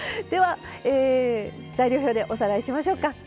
では材料表でおさらいしましょうか。